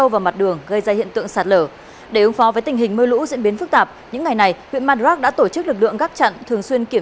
với những thông tin vừa rồi